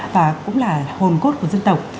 và cũng là hồn cốt của dân tộc